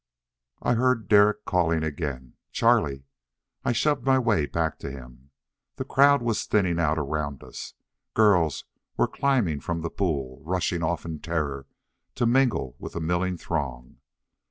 I heard Derek calling again, "Charlie!" I shoved my way back to him. The crowd was thinning out around us. Girls were climbing from the pool, rushing off in terror, to mingle with the milling throng.